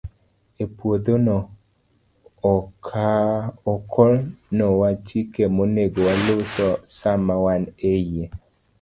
E puodhono, okonowa chike monego waluw sama wan e iye.